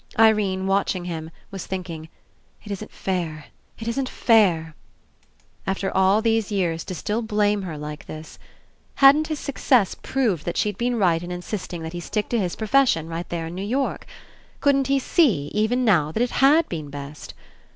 Irene, watching him, was thinking: "It Isn't fair, It isn't fair." After all these years to 99 PASSING Still blame her like this. Hadn't his success proved that she'd been right in insisting that he stick to his profession right there in New York? Couldn't he see, even now, that it had been best?